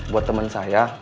buat temen saya